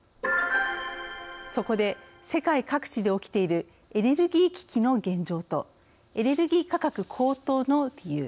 そこで、世界各地で起きている「エネルギー危機」の現状とエネルギー価格高騰の理由。